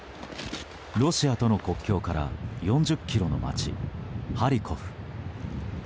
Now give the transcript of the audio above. ロシアとの国境から４０ｋｍの街ハリコフ。